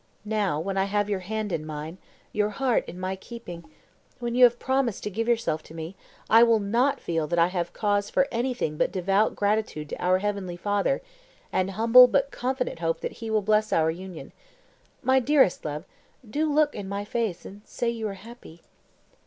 Now, when I have your hand in mine, your heart in my keeping, when you have promised to give yourself to me, I will not feel that I have cause for anything but devout gratitude to our Heavenly Father, and humble but confident hope that He will bless our union. My dearest love, do look in my face and say you are happy."